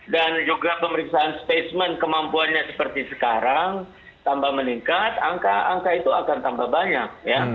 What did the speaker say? dan juga pemeriksaan spesmen kemampuannya seperti sekarang tanpa meningkat angka angka itu akan tambah banyak